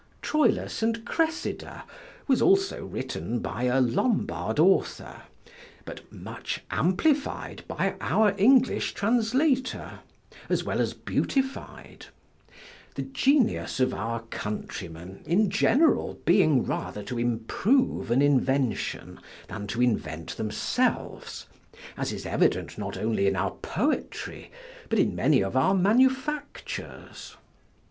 Troilus and Cressida was also written by a Lombard author; but much amplified by our English translator, as well as beautified; the genius of our countrymen, in general, being rather to improve an invention, than to invent themselves; as is evident not only in our poetry, but in many of our manufactures.